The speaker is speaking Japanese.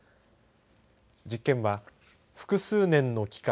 実験は複数年の期間